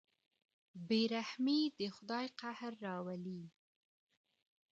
بېرحمي د خدای قهر راولي.